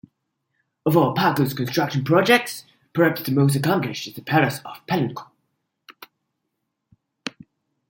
Of all Pakal's construction projects, perhaps the most accomplished is the Palace of Palenque.